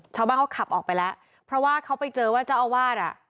ชาวบ้านเขาขับออกไปแล้วเพราะว่าเขาไปเจอว่าเจ้าอาวาสอ่ะ